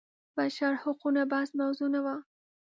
بشر حقونه بحث موضوع نه وه.